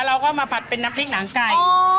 เราก็มาผัดเป็นน้ำพริกหนังไก่